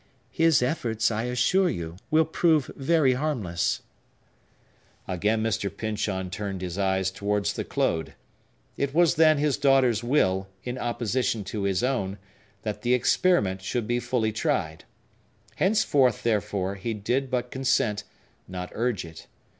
"His efforts, I assure you, will prove very harmless." Again Mr. Pyncheon turned his eyes towards the Claude. It was then his daughter's will, in opposition to his own, that the experiment should be fully tried. Henceforth, therefore, he did but consent, not urge it.